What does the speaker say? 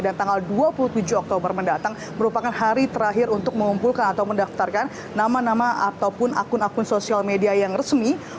dan tanggal dua puluh tujuh oktober mendatang merupakan hari terakhir untuk mengumpulkan atau mendaftarkan nama nama ataupun akun akun sosial media yang resmi